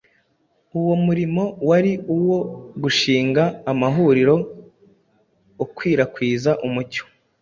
uwo murimo wari uwo gushinga amahuriro akwirakwiza umucyo